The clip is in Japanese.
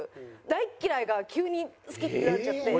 「大っ嫌い」が急に「好き」ってなっちゃって。